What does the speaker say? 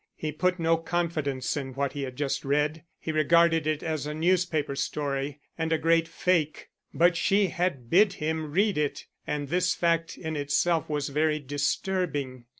He put no confidence in what he had just read; he regarded it as a newspaper story and a great fake; but she had bid him read it, and this fact in itself was very disturbing.